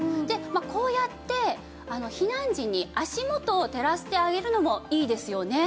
こうやって避難時に足元を照らしてあげるのもいいですよね。